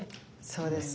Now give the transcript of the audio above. そうですよ。